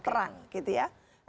perang gitu ya